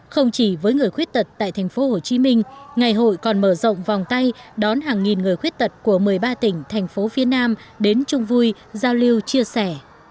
không chỉ với người khuyết tật tại tp hcm ngày hội còn mở rộng vòng tay đón hàng nghìn người khuyết tật của một mươi ba tỉnh tp phn đến chung vui giao lưu chia sẻ